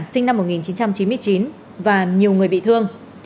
sinh năm một nghìn chín trăm chín mươi chín và nhiều người bị thương